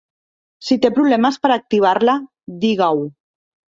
Si té problemes per activar-la, digui-ho.